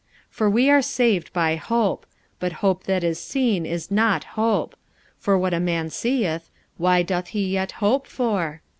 45:008:024 For we are saved by hope: but hope that is seen is not hope: for what a man seeth, why doth he yet hope for?